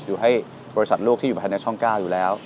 อยู่ให้บริษัทลูกที่อยู่ภายในช่อง๙อยู่แล้ว